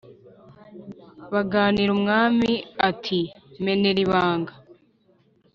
baganira umwami ati"menera ibanga